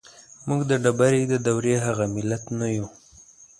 موږ د ډبرې د دورې هغه ملت نه يو.